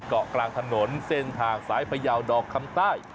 เกาะกลางถนนเส้นทางสายพยาวดอกคำใต้